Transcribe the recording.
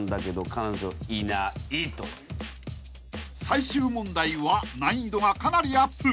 ［最終問題は難易度がかなりアップ］